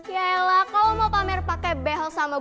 yaelah kalau lo mau pamer pake behel sama lo